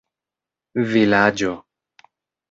vilaĝo